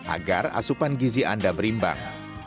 agar asupan gizi anda berimbang